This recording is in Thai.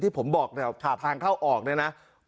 ที่ผมบอกนะครับทางเข้าออกนะครับ